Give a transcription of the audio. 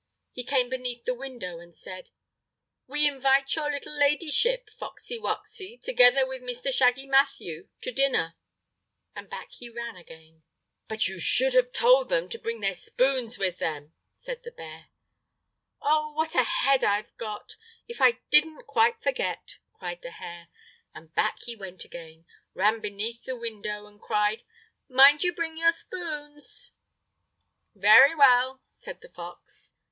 He came beneath the window and said: "We invite your little ladyship, Foxy Woxy, together with Mr. Shaggy Matthew, to dinner"—and back he ran again. "But you should have told them to bring their spoons with them," said the bear. "Oh, what a head I've got! if I didn't quite forget!" cried the hare, and back he went again, ran beneath the window, and cried: "Mind you bring your spoons!" "Very well," said the fox.